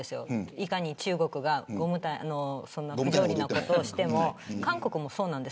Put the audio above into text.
いかに中国が不条理なことをしても韓国もそうなんです。